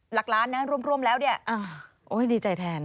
หลักล้านนะรวมแล้วเนี่ยโอ้ยดีใจแทนนะ